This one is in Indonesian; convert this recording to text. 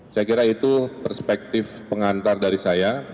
saya kira itu perspektif pengantar dari saya